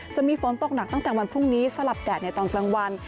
จะมีฝนตกหนักตั้งแต่วันพรุ่งนี้สลับแดดในตอนกลางวัน